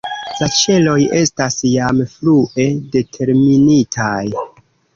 La ĉeloj estas jam frue determinitaj.